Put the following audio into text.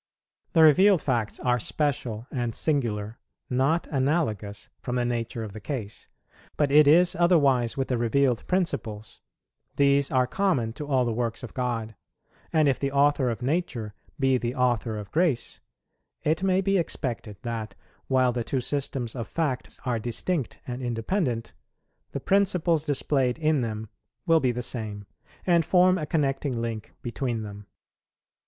The revealed facts are special and singular, not analogous, from the nature of the case: but it is otherwise with the revealed principles; these are common to all the works of God: and if the Author of Nature be the Author of Grace, it may be expected that, while the two systems of facts are distinct and independent, the principles displayed in them will be the same, and form a connecting link between them.